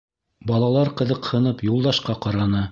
Балалар ҡыҙыҡһынып Юлдашҡа ҡараны.